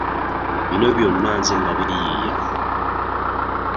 Bino byonna nze nabiyiiya.